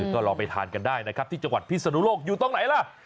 ก็ลองไปทานกันได้นะครับที่จังหวัดพิศนุโลกอยู่ตรงไหนล่ะ